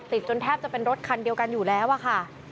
จนแทบจะเป็นรถคันเดียวกันอยู่แล้วอะค่ะ